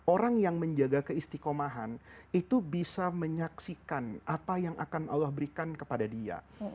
orang yang menjaga keistikomahan itu bisa menyaksikan apa yang akan allah berikan kepada dia